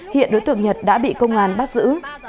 hiện đối tượng nhật đã bị công an bắt giữ